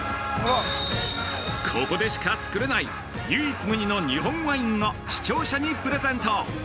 ◆ここでしかつくれない唯一無二の日本ワインを視聴者にプレゼント！